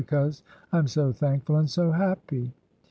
. Because I am so thankful and so happy!'